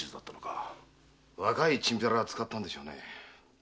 若いチンピラを使ったんでしょうね。